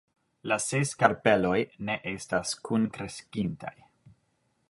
La ses karpeloj ne estas kunkreskintaj.